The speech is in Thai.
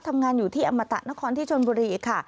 ทำงานอยู่ที่อมตะนครที่ชนบุรีค่ะ